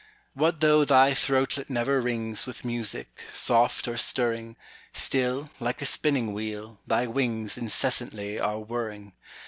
What though thy throatlet never ringsWith music, soft or stirring; Still, like a spinning wheel, thy wingsIncessantly are whirring.